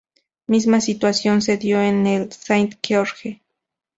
Misma situación se dio en el "Saint George".